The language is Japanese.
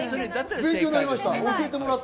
勉強になりました。